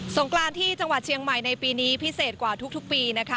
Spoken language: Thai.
งกรานที่จังหวัดเชียงใหม่ในปีนี้พิเศษกว่าทุกปีนะคะ